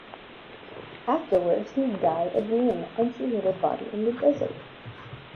Afterwards he died again and she hid his body in the desert.